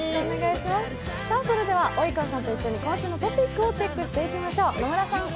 それでは及川さんと一緒に今週のトピックをチェックしていきましょう。